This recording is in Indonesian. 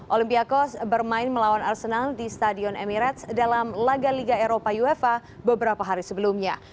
olimpia kos bermain melawan arsenal di stadion emirates dalam laga liga eropa uefa beberapa hari sebelumnya